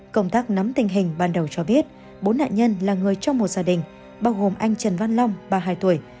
công tác nắm tình hình bắt đầu cho biết bốn nạn nhân là người trong một gia đình bao gồm anh trần văn long bà hai tuổi